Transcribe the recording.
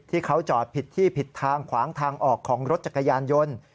ที่เขาจอดผิดที่ผิดทางขวางทางออกของรถจักรยานยนต์